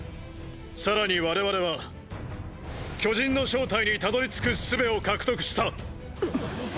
更に我々は巨人の正体にたどりつく術を獲得した！